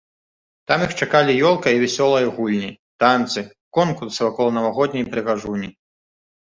Там іх чакалі ёлка і вясёлыя гульні, танцы, конкурсы вакол навагодняй прыгажуні.